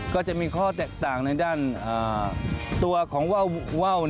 ก็จะมีข้อแตกต่างในด้านตัวของว่าว